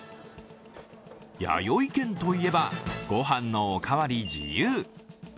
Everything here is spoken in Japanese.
やよい軒といえば、ご飯のお代わり自由。